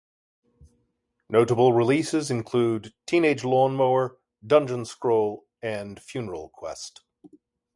Notable releases include "Teenage Lawnmower, Dungeon Scroll" and "Funeral Quest".